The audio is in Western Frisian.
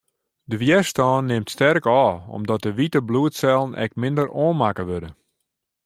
De wjerstân nimt sterk ôf, omdat de wite bloedsellen ek minder oanmakke wurde.